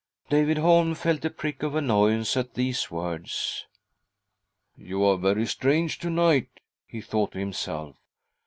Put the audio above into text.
" David Holm felt a prick of annoyance at these words. " You are very strange to night," he thought to himself.